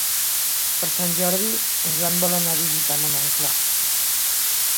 Per Sant Jordi en Joan vol anar a visitar mon oncle.